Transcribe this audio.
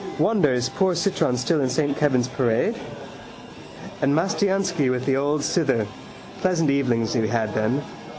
Wonder is poor Citron still in Saint Kevin's parade. And Mastiansky with the old cither. Pleasant evenings we had then.